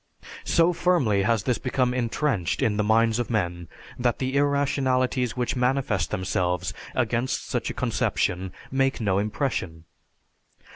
So firmly has this become entrenched in the minds of men that the irrationalities which manifest themselves against such a conception make no impression.